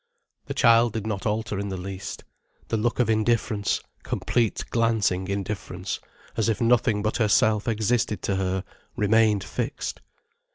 The child did not alter in the least. The look of indifference, complete glancing indifference, as if nothing but herself existed to her, remained fixed.